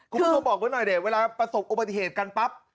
คุณผู้ชมบอกไว้หน่อยดิเวลาประสบอุบัติเหตุกันปั๊บ